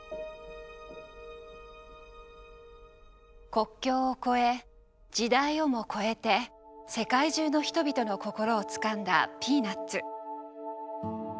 国境を超え時代をも超えて世界中の人々の心をつかんだ「ピーナッツ」。